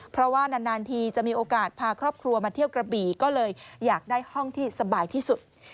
เพราะว่านานทีจะมีโอกาสพาครอบครัวมาเที่ยวกระบี่ก็เลยอยากได้ห้องที่สบายที่สุด